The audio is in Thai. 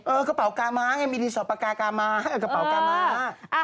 เออกระเป๋ากามามีที่สอปปากากามากระเป๋ากามา